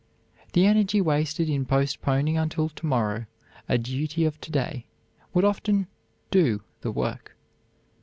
The energy wasted in postponing until to morrow a duty of to day would often do the work.